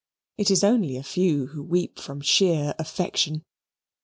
It is only a few who weep from sheer affection.